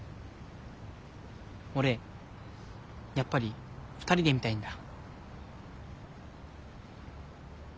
俺やっぱり２人で見たいんだ。